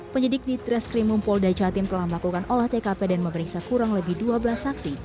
penyidik di treskrimum polda jatim telah melakukan olah tkp dan memeriksa kurang lebih dua belas saksi